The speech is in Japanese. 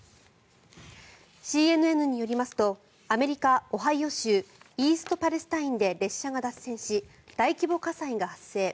ＣＮＮによりますとアメリカ・オハイオ州イーストパレスタインで列車が脱線し大規模火災が発生。